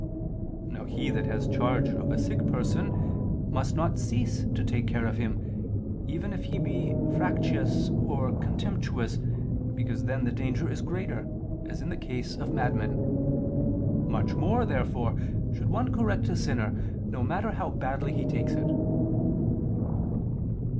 Now he that has charge of a sick person, must not cease to take care of him, even if he be fractious or contemptuous, because then the danger is greater, as in the case of madmen. Much more, therefore should one correct a sinner, no matter how badly he takes it.